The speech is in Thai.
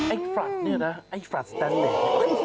ไอ้ฟรัสนี่นะไอ้ฟรัสสแตนเลส